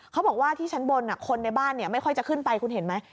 เขาบอกว่าที่ชั้นบนคนในบ้านไม่ค่อยจะขึ้นไปคุณเห็นไหม